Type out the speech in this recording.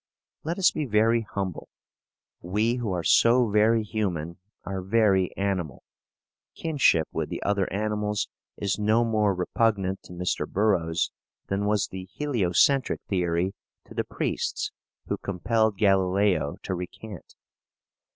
Let us be very humble. We who are so very human are very animal. Kinship with the other animals is no more repugnant to Mr. Burroughs than was the heliocentric theory to the priests who compelled Galileo to recant.